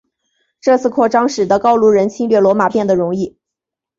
这次扩张使得高卢人侵略罗马变得容易。